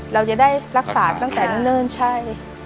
เราจะได้รักษาตั้งแต่เนิ่นใช่